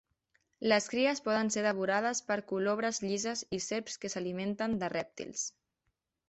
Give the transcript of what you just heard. Les cries poden ser devorades per colobres llises i serps que s'alimenten de rèptils.